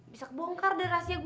bisa kebongkar deh rahasia gue